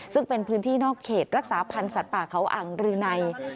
ซึ่งเป็นพื้นที่นอกเขตรักษาพันธ์สัตว์ป่าเขาอ่างรืนัย